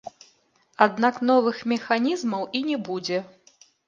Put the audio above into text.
Аднак новых механізмаў і не будзе.